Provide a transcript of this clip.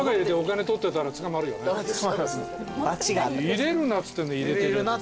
入れるなっつってんのに入れてる。